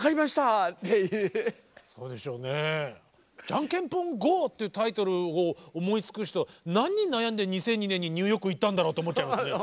「ジャンケンポンＧＯ！！」ってタイトルを思いつく人は何に悩んで２００２年にニューヨーク行ったんだろうって思っちゃいますね。